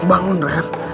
ref bangun ref